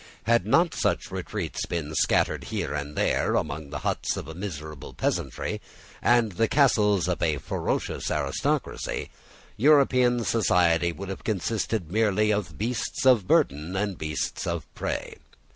Had not such retreats been scattered here and there, among the huts of a miserable peasantry, and the castles of a ferocious aristocracy, European society would have consisted merely of beasts of burden and beasts of prey.